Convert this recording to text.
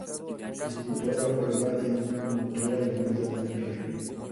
Disputó la prueba en una motora llamada "Napier I".